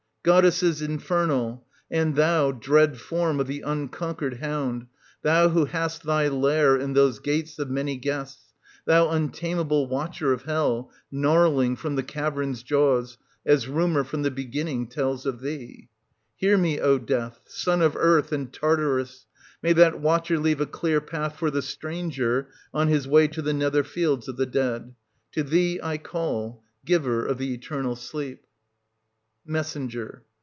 ant. Goddesses Infernal ! And thou, dread form of the 1570 unconquered hound, thou who hast thy lair in those gates of many guests, thou untameable Watcher of Hell, gnarling from the cavern's jaws, as rumour from the beginning tells of theel Hear me, O Death, son of Earth and Tartarus ! May that Watcher leave a clear path for the stranger on his way to the nether fields of the dead ! To thee I call, giver of the eternal sleep. Messenger.